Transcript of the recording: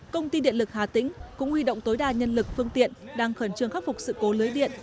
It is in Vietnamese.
công ty điện lực hà tĩnh cũng huy động tối đa nhân lực phương tiện đang khẩn trương khắc phục sự cố lưới điện